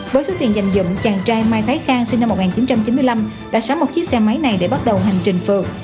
với số tiền dành dụng chàng trai mai thái khang sinh năm một nghìn chín trăm chín mươi năm đã sắm một chiếc xe máy này để bắt đầu hành trình phượt